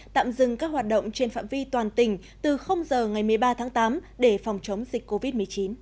tạm dừng các hoạt động trên phạm vi toàn tỉnh từ giờ ngày một mươi ba tháng tám để phòng chống dịch covid một mươi chín